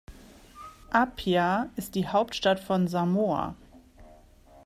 Apia ist die Hauptstadt von Samoa.